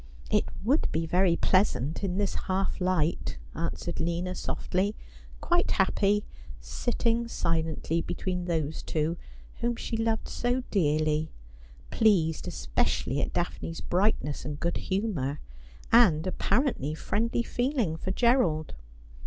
It would be very pleasant in this half light,' answered Lina softly, quite happy, sitting silently between those two whom she loved so dearly, pleased especially at Daphne's brightness and good humour, and apparently friendly feeling for Gerald.